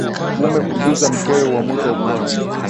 Mume kumjumza mkewe uamuzi wa ukoo